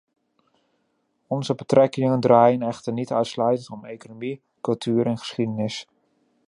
Onze betrekkingen draaien echter niet uitsluitend om economie, cultuur en geschiedenis.